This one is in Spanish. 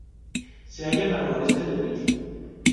Se halla al noroeste de Pettit.